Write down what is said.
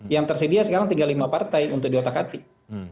yang tersedia sekarang tinggal lima partai untuk diotak atik